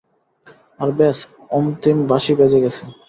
আর ব্যস, অন্তিম বাঁশি বেজে গেছে।